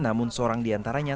namun seorang diantaranya